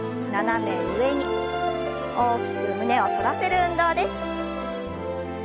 斜め上に大きく胸を反らせる運動です。